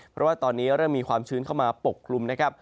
เพราะว่าตอนนี้เริ่มมีความชื้นเข้ามาปกคลุมนะครับ